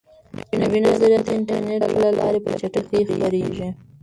نوي نظریات د انټرنیټ له لارې په چټکۍ خپریږي.